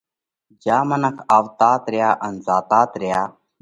جيا مانه منک آوَتات ريا ان زاتات ريا۔